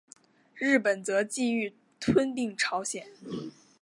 日本则觊觎吞并朝鲜。